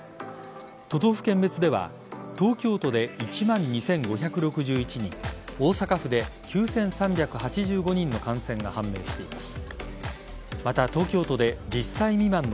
都道府県別では東京都で１万２５６１人大阪府で９３８５人の感染が判明しています。